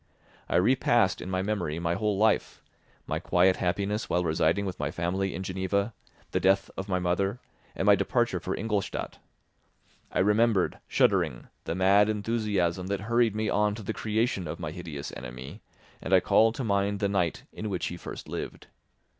I repassed, in my memory, my whole life; my quiet happiness while residing with my family in Geneva, the death of my mother, and my departure for Ingolstadt. I remembered, shuddering, the mad enthusiasm that hurried me on to the creation of my hideous enemy, and I called to mind the night in which he first lived.